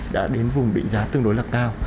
đã đến vùng định giá tương đối là cao